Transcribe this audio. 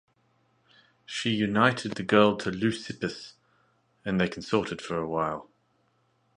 She united the girl to Leucippus, and they consorted for a while.